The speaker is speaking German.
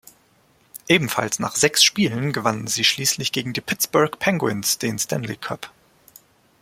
Ebenfalls nach sechs Spielen gewannen sie schließlich gegen die Pittsburgh Penguins den Stanley Cup.